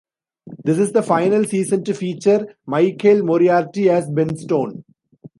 This is the final season to feature Michael Moriarty as Ben Stone.